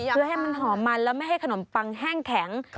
เพื่อให้มันหอมมันแล้วไม่ให้ขนมปังแห้งแข็ง